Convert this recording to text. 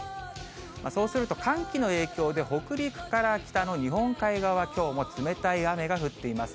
そうすると、寒気の影響で北陸から北の日本海側、きょうも冷たい雨が降っています。